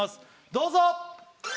どうぞ。